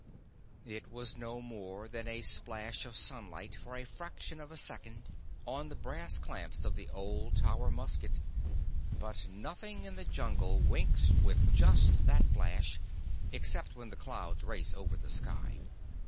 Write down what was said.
It was no more than a splash of sunlight, for a fraction of a second, on the brass clamps of the old Tower musket, but nothing in the Jungle winks with just that flash, except when the clouds race over the sky.